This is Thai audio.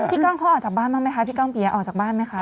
กล้องเขาออกจากบ้านบ้างไหมคะพี่ก้องเปี๊ยออกจากบ้านไหมคะ